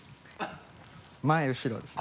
前後ろですね。